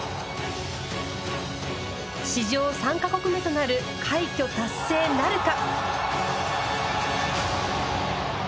史上３カ国目となる快挙達成なるか？